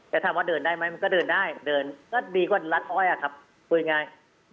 แต่ถามว่าเดินได้ไหมมันก็เดินได้เดินก็ดีกว่ารัดอ้อยอะครับคุยง่าย